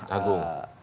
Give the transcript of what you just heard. di mahkamah agung